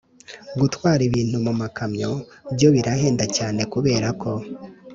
gutwara ibintu mu makamyo byo birahenda cyane kubera ko